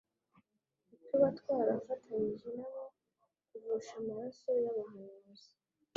ntituba twarafatanije na bo kuvusha amaraso y'abahanuzi.